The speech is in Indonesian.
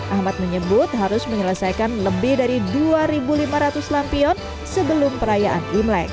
ahmad menyebut harus menyelesaikan lebih dari dua lima ratus lampion sebelum perayaan imlek